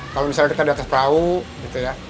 kalau misalnya kita di atas perahu gitu ya